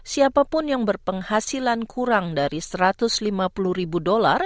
siapapun yang berpenghasilan kurang dari satu ratus lima puluh ribu dolar